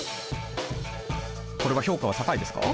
これは評価は高いですか？